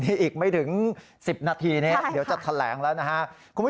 อีกไม่ถึง๑๐นาทีนี้เดี๋ยวจะแถลงแล้วนะฮะ